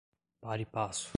pari passu